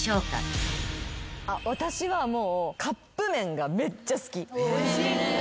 私はもうカップ麺がめっちゃ好き。